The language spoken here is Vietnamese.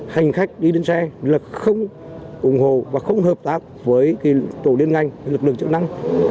hành khách đi đến xe là không ủng hộ và không hợp tác với tổ liên ngành lực lượng chức năng